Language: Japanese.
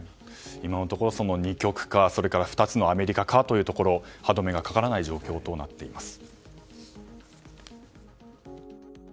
今のところ、二極化２つのアメリカ化というところに歯止めがかからない状況となっています。